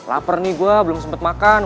laper nih gue belum sempet makan